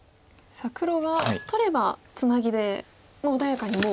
さあ黒が取ればツナギで穏やかにもう。